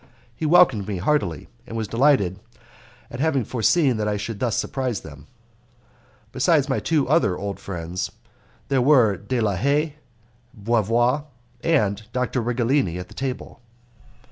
He welcomed me heartily, and was delighted at having foreseen that I should thus surprise them. Besides my two other old friends, there were De la Haye, Bavois, and Dr. Righelini at table.